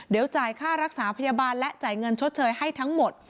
เดี๋ยวจ่ายค่ารักษาพยาบาลและจ่ายเงินชดเชยให้ทั้งหมด